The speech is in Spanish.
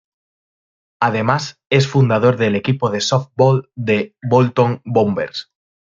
Además, es fundador del equipo de softball The Bolton Bombers.